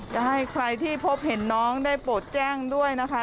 จะให้ใครที่พบเห็นน้องได้โปรดแจ้งด้วยนะคะ